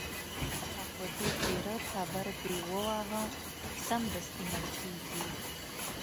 که په دې تېره تبر دې وواهه، سمدستي مړ کېږي.